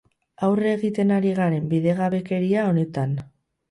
Aurre egiten ari garen bidegabekeria honetan.